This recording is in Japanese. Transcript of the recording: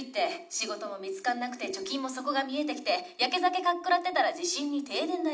「仕事も見つかんなくて貯金も底が見えてきてやけ酒かっくらってたら地震に停電だよ」